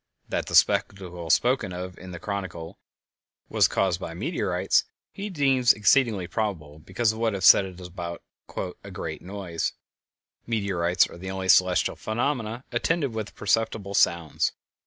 That the spectacle spoken of in the chronicle was caused by meteorites he deems exceedingly probable because of what is said about "a great noise;" meteorites are the only celestial phenomena attended with perceptible sounds.